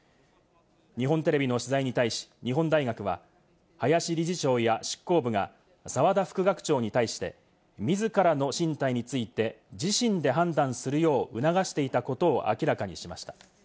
日本テレビの取材に対し、日本大学は、林理事長や執行部が澤田副学長に対して自らの進退について、自身で判断するよう促していたことを明らかにしました。